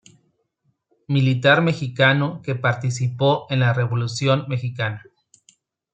Militar mexicano que participó en la Revolución mexicana.